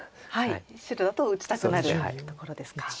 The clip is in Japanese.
白だと打ちたくなるところですか。